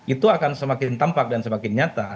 itu akan semakin tampak dan semakin nyata